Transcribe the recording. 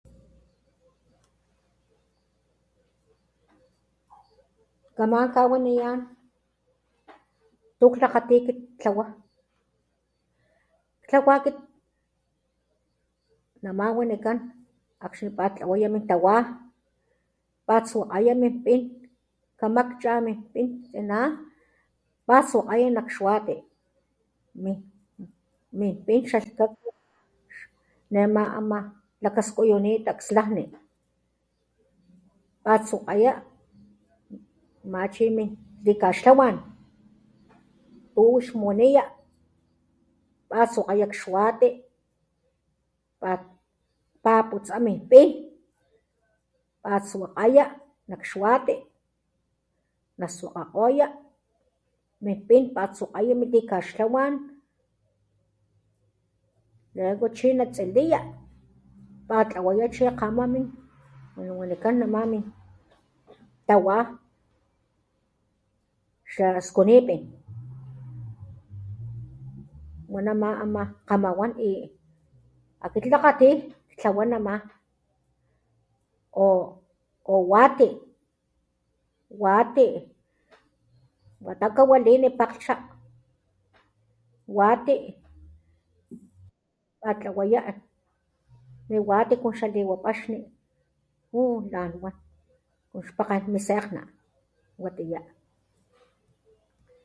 Kaman kawaniyán tu klakati kit ktlawá, ktlawa akit nama wanikán akgxni pat tlawaya min tawá, pat suakaya min pín, kamakcha min pin tlsiná pat suakaya nak xuate, min pin xa lhkaka, ne ma am lakaskuýunita slajni, pat suakaya namá chi likaxtlawan, tu wix muniya, pat suakaya nak xuate, pat paputsa min pin, pat suakaya nak xuate, na suakakgoya min pin pat suakaya milikaxtlawan, luego chi na tsiliya pat tlawaya kama chi min uyu wanikan namá min tawá xa skunipin, wanamá ama kama wan, akit klakatí, tlawá namá o wate wate, watá kawilini pakglhcha, wate tatlawaya mi wate kun xaliwa paxni, ju lan wan kon xpakan mi segna, watiyá.